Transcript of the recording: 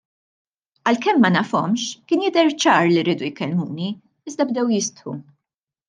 Għalkemm ma nafhomx kien jidher ċar li riedu jkellmuni iżda bdew jistħu.